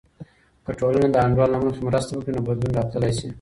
که ټولنه د انډول له مخې مرسته وکړي، نو بدلون راتللی سي.